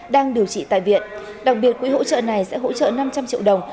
đang điều trị tại viện đặc biệt quỹ hỗ trợ này sẽ hỗ trợ năm trăm linh triệu đồng